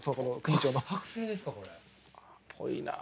っぽいな。